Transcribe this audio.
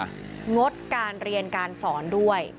งดการเรียนการสอนด้วย